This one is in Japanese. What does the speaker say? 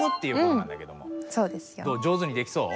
上手にできそう？